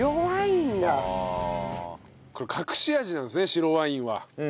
これ隠し味なんですね白ワインは。